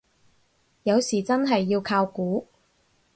有時真係要靠估